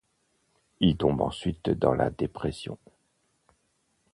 Il tombe ensuite dans la dépression.